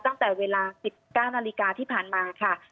ตั้งแต่เวลา๑๙นาฬิกาที่ผ่านมาค่ะ